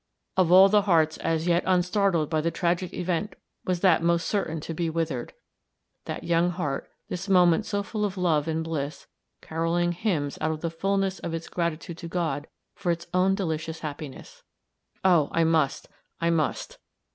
Of all the hearts as yet unstartled by the tragic event was that most certain to be withered that young heart, this moment so full of love and bliss, caroling hymns out of the fullness of its gratitude to God for its own delicious happiness. Oh, I must I must!